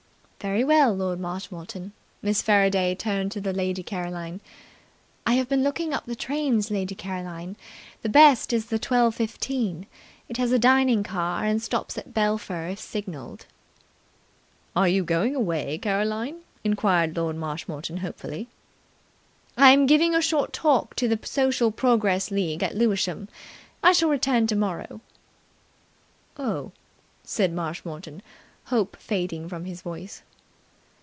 "Very well, Lord Marshmoreton." Miss Faraday turned to Lady Caroline. "I have been looking up the trains, Lady Caroline. The best is the twelve fifteen. It has a dining car, and stops at Belpher if signalled." "Are you going away, Caroline?" inquired Lord Marshmoreton hopefully. "I am giving a short talk to the Social Progress League at Lewisham. I shall return tomorrow." "Oh!" said Marshmoreton, hope fading from his voice.